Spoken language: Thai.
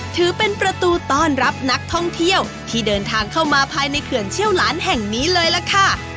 ถือเป็นประตูต้อนรับนักท่องเที่ยวที่เดินทางเข้ามาภายในเขื่อนเชี่ยวหลานแห่งนี้เลยล่ะค่ะ